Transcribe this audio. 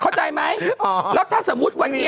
เข้าใจไหมแล้วถ้าสมมุติวันนี้